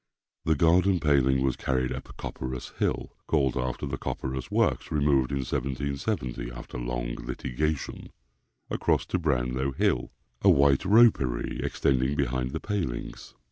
The garden paling was carried up Copperas hill (called after the Copperas Works, removed in 1770, after long litigation) across to Brownlow hill, a white ropery extending behind the palings.